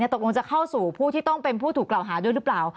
ตกลงจะเข้าสู่ผู้ที่ต้องเป็นผู้ถูกกล่าวหาด้วยหรือเปล่า